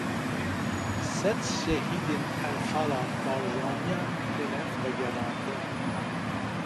Sed şehîdên Enfala Barzaniyan têne vegerandin.